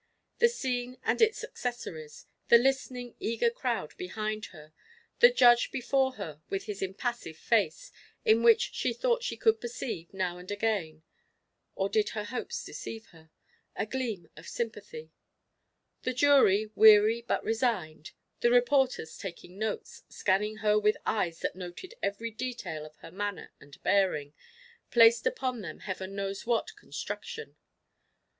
The scene and its accessories the listening, eager crowd behind her, the judge before her with his impassive face, in which she thought she could perceive, now and again or did her hopes deceive her? a gleam of sympathy; the jury weary but resigned, the reporters taking notes, scanning her with eyes that noted every detail of her manner and bearing, placed upon them Heaven knows what construction!